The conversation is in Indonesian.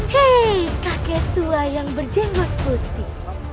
hei kakek tua yang berjenwak putih